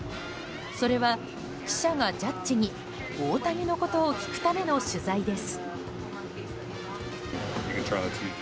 それは記者がジャッジに大谷のことを聞くための取材です。